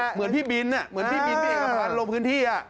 เหมือนพี่บินอ่ะเหมือนพี่บินพี่เอกพรรณลงพื้นที่อ่ะ